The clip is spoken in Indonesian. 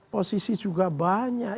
posisi juga banyak